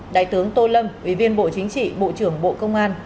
đại tướng tô lâm ủy viên bộ chính trị bộ trưởng bộ công an